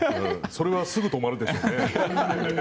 それはすぐ止まるでしょ。